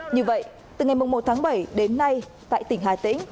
như vậy từ ngày một tháng bảy đến nay tại tỉnh hà tĩnh